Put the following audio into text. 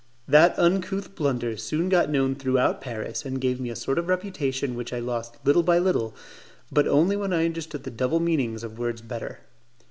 That uncouth blunder soon got known throughout Paris, and gave me a sort of reputation which I lost little by little, but only when I understood the double meanings of words better.